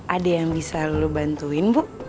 ada yang bisa lulu bantuin bu